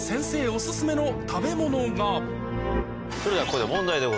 お薦めの食べ物がそれではここで。